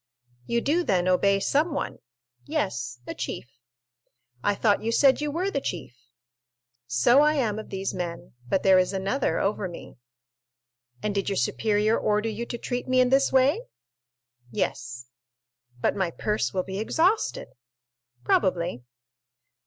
"You do, then, obey someone?" "Yes, a chief." "I thought you said you were the chief?" "So I am of these men; but there is another over me." "And did your superior order you to treat me in this way?" "Yes." "But my purse will be exhausted." "Probably."